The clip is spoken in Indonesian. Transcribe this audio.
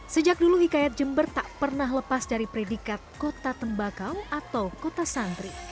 sejak dulu hikayat jember tak pernah lepas dari predikat kota tembakau atau kota santri